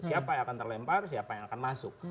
siapa yang akan terlempar siapa yang akan masuk